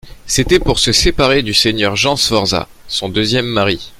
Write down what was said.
C’était pour se séparer du seigneur Jean Sforza, son deuxième mari.